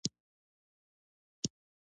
څنګه يې ياره؟ هههه ياره